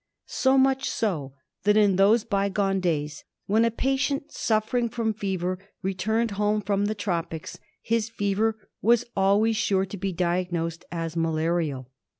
So much so, that in those by gone days when a patient suffering from fever returned home from the tropics his fever was almost sure to be diagnosed as malarial.